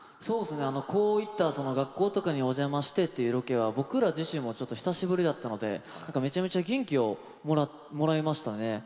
こういった学校とかにお邪魔してっていう僕ら自身も久しぶりだったのでめちゃめちゃ元気をもらいましたね。